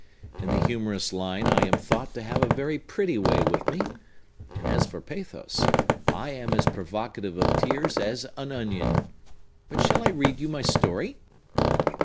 In the humorous line, I am thought to have a very pretty way with me; and as for pathos, I am as provocative of tears as an onion. But shall I read you my story?"